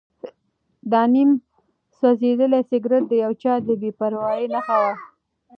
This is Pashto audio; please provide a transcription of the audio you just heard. دا نیم سوځېدلی سګرټ د یو چا د بې پروایۍ نښه وه.